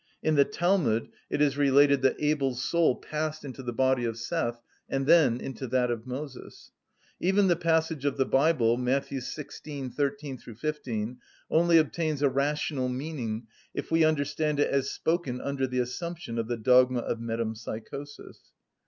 In the Talmud it is related that Abel's soul passed into the body of Seth, and then into that of Moses. Even the passage of the Bible, Matt. xvi. 13‐15, only obtains a rational meaning if we understand it as spoken under the assumption of the dogma of metempsychosis.